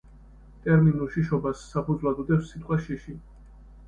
ტერმინ „უშიშობა“–ს საფუძვლად უდევს სიტყვა „შიში“.